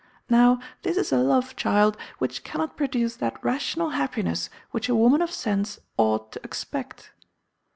Now this is a love, child, which cannot produce that rational happiness which a woman of sense ought to expect.